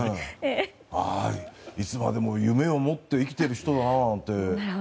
いつまでも夢を持って生きている人だなって。